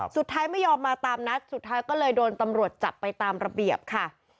ไม่ยอมมาตามนัดสุดท้ายก็เลยโดนตำรวจจับไปตามระเบียบค่ะ